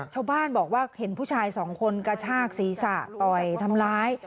ชาวบ้านบอกว่าเห็นผู้ชายสองคนกระชากศีรษะต่อยทำร้าย